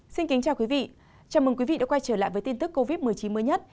xin kính chào quý vị chào mừng quý vị đã quay trở lại với tin tức covid một mươi chín mới nhất